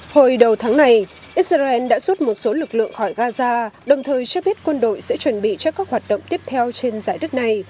hồi đầu tháng này israel đã rút một số lực lượng khỏi gaza đồng thời cho biết quân đội sẽ chuẩn bị cho các hoạt động tiếp theo trên giải đất này